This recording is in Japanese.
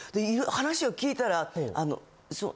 話を聞いたら。